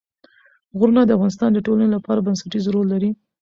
غرونه د افغانستان د ټولنې لپاره بنسټيز رول لري.